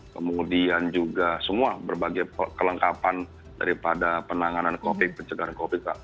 kemudian juga semua berbagai kelengkapan daripada penanganan covid pencegahan covid kak